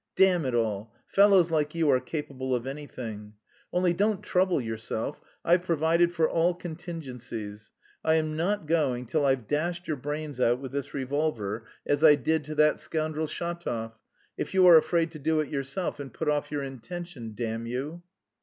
Damn it all, fellows like you are capable of anything! Only don't trouble yourself; I've provided for all contingencies: I am not going till I've dashed your brains out with this revolver, as I did to that scoundrel Shatov, if you are afraid to do it yourself and put off your intention, damn you!"